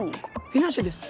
フィナンシェです。